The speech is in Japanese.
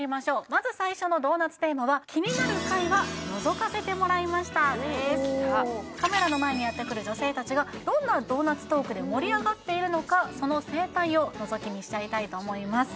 まず最初のドーナツテーマはカメラの前にやって来る女性達がどんなドーナツトークで盛り上がっているのかその生態をのぞき見しちゃいたいと思います